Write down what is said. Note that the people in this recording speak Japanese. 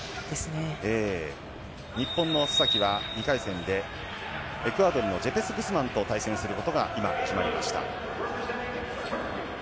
日本の須崎は２回戦でエクアドルのジェペス・グスマンと対戦することが今、決まりました。